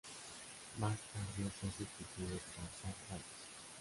Más tarde fue sustituido por Zack Bates.